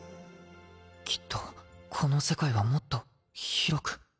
きっとこの世界はもっと広く。